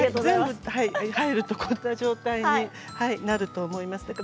全部入れるとこんな状態になると思います。